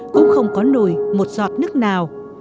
cũng không có nổi một giọt nước nào